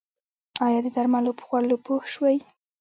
ایا د درملو په خوړلو پوه شوئ؟